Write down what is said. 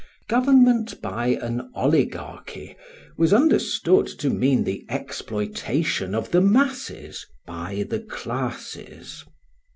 Government by an oligarchy was understood to mean the exploitation of the masses by the classes.